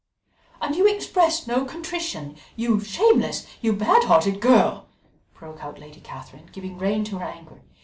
"And you express no contrition, you shameless, you bad hearted girl?" broke out Lady Catherine, giving rein to her anger.